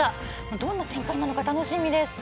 どんな展開なのか楽しみです。